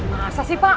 masa sih pak